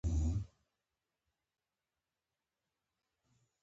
هغه د ځنګل له قوانینو سرغړونه نه کوله.